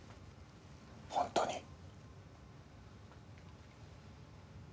本当に。